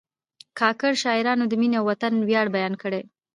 کاکړ شاعرانو د مینې او وطن ویاړ بیان کړی دی.